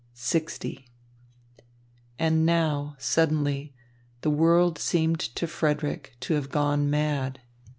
LX And now, suddenly, the world seemed to Frederick to have gone mad.